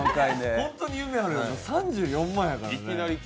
ほんと夢ある、３４万やからね。